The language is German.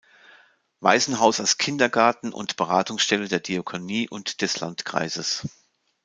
Waisenhaus als Kindergarten und Beratungsstelle der Diakonie und des Landkreises.